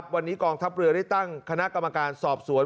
วันนี้กองทัพเรือได้ตั้งคณะกรรมการสอบสวน